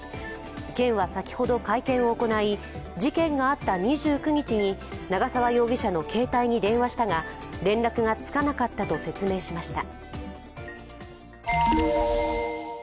県は先ほど会見を行い事件があった２９日に長沢容疑者の携帯に電話したが、連絡がつかなかったと説明しました。